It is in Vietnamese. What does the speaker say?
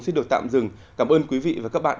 xin được tạm dừng cảm ơn quý vị và các bạn